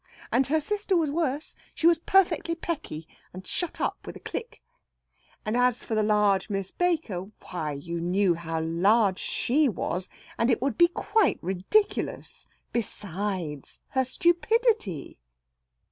And her sister was worse: she was perfectly pecky, and shut up with a click. And as for the large Miss Baker why, you knew how large she was, and it would be quite ridiculous! Besides, her stupidity!